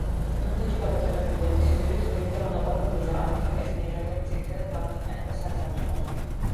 თურქეთში, გაბატონებულია მთიური, წვრილი და უნაყოფო მიწა, ამიტომ, ეს ნიადაგები ძირითადად გამოიყენება საძოვრებად.